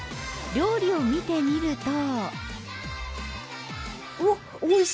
料理を見てみると。